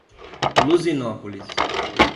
Luzinópolis